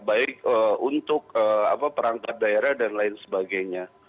baik untuk perangkat daerah dan lain sebagainya